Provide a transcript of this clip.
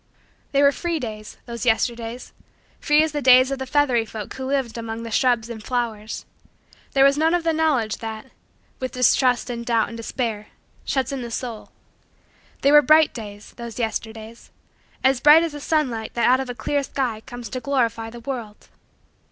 They were free days those Yesterdays free as the days of the feathery folk who lived among the shrubs and flowers. There was none of the knowledge that, with distrust and doubt and despair, shuts in the soul. They were bright days those Yesterdays as bright as the sunlight that out of a clear sky comes to glorify the world.